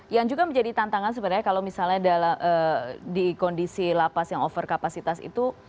yang juga menjadi tantangan sebenarnya kalau misalnya di kondisi lapas yang over kapasitas itu